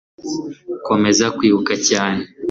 Komeza kwibuka cyane